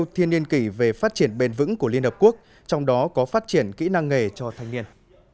trong đó có phát triển kỹ năng nghề cho thanh niên